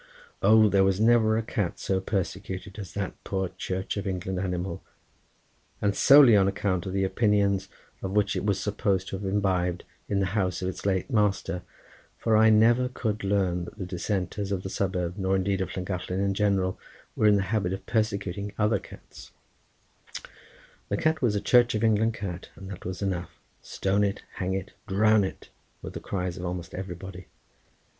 O, there never was a cat so persecuted as that poor Church of England animal, and solely on account of the opinions which it was supposed to have imbibed in the house of its late master, for I never could learn that the dissenters of the suburb, nor indeed of Llangollen in general, were in the habit of persecuting other cats; the cat was a Church of England cat, and that was enough: stone it, hang it, drown it! were the cries of almost everybody.